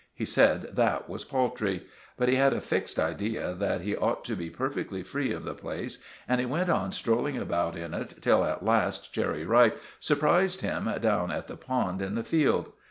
He said that was paltry; but he had a fixed idea that he ought to be perfectly free of the place, and he went on strolling about in it till at last Cherry Ripe surprised him down at the pond in the field.